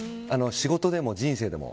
仕事でも、人生でも。